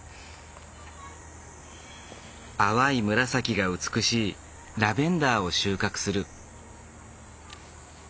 淡い紫が美しいラベンダーを収穫する。